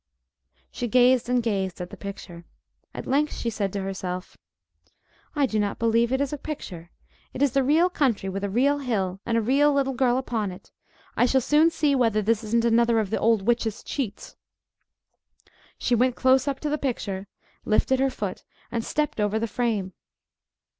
She gazed and gazed at the picture. At length she said to herself, "I do not believe it is a picture. It is the real country, with a real hill, and a real little girl upon it. I shall soon see whether this isn't another of the old witch's cheats!" She went close up to the picture, lifted her foot, and stepped over the frame.